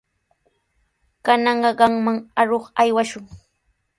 Kananqa qamman aruq aywashun.